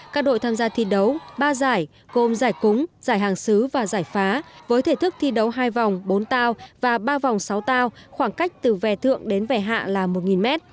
các đội tham gia thi đấu ba giải gồm giải cúng giải hàng sứ và giải phá với thể thức thi đấu hai vòng bốn tao và ba vòng sáu tao khoảng cách từ ve thượng đến vẻ hạ là một m